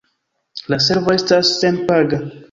La servo estas senpaga.